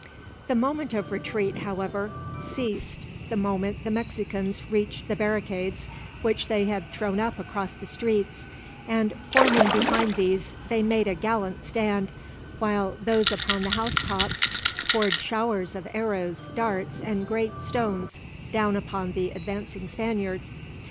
The movement of retreat, however, ceased the moment the Mexicans reached the barricades which they had thrown up across the streets; and forming behind these they made a gallant stand, while those upon the housetops poured showers of arrows, darts, and great stones down upon the advancing Spaniards.